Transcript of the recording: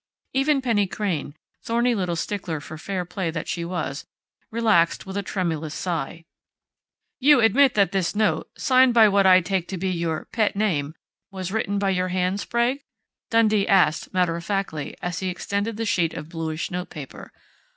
Even Penny Crain, thorny little stickler for fair play that she was, relaxed with a tremulous sigh. "You admit that this note, signed by what I take to be your 'pet name,' was written by your hand, Sprague?" Dundee asked matter of factly, as he extended the sheet of bluish notepaper.